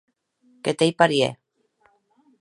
Que t’ei parièr.